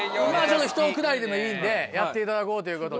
ひとくだりでもいいんでやっていただこうということで。